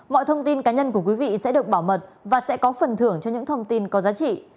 mọi thông tin cá nhân của quý vị sẽ được bảo mật và sẽ có phần thưởng cho những thông tin có giá trị